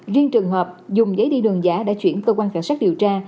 riêng trường hợp dùng giấy đi đường giả đã chuyển cơ quan cảnh sát điều tra